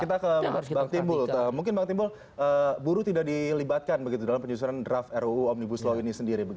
kita ke bang timbul mungkin bang timbul buruh tidak dilibatkan begitu dalam penyusunan draft ruu omnibus law ini sendiri